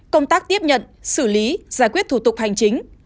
công tác tiếp nhận xử lý giải quyết thủ tục hành chính